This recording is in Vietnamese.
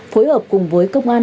phối hợp cùng với công an